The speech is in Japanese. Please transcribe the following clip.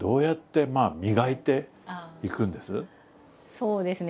そうですね